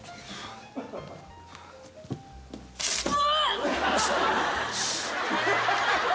うわ！？